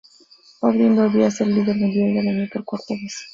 O'Brien volvía a ser el líder mundial del año por cuarta vez.